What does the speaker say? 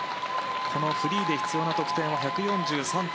このフリーで必要な得点は１４３．５２。